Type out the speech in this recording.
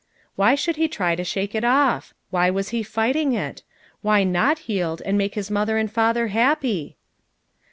Why should he try to shake it off? Why was he fighting it? Why not yield, and make his mother and father happy!